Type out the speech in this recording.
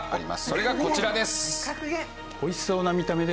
それがこちらです！